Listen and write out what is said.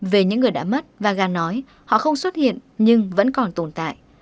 về những người đã mất vanga nói họ không xuất hiện nhưng vẫn còn tồn tại